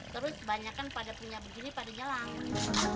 terus banyak kan pada punya begini pada nyelang